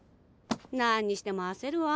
何にしても焦るわ。